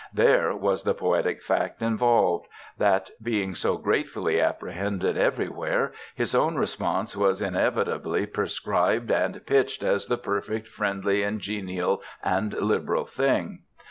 There was the poetic fact involved that, being so gratefully apprehended everywhere, his own response was inevitably prescribed and pitched as the perfect friendly and genial and liberal thing.